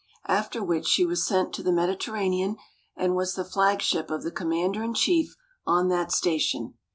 After which she was sent to the Mediterranean, and was the flag ship of the commander in chief on that station.